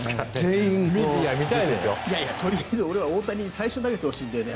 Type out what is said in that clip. とりあえず俺は大谷に最初に投げてほしいんだよね。